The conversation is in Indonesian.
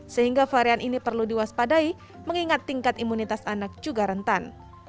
sehingga varian ini perlu diwaspadai mengingat tingkat imunitas anak juga rentan